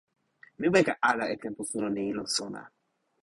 mi weka ala e tenpo suno ni lon sona.